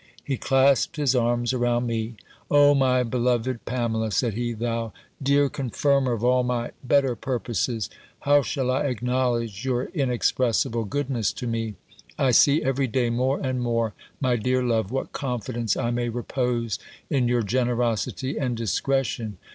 He clasped his arms around me: "O my beloved Pamela," said he; "thou dear confirmer of all my better purposes! How shall I acknowledge your inexpressible goodness to me? I see every day more and more, my dear love, what confidence I may repose in your generosity and discretion!